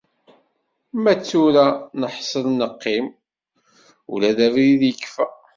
Ma d tura neḥsel neqqim, ula d abrid yekfa.